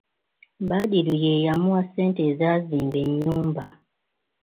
Badru ye yamuwa ssente ezazimba ennyumba.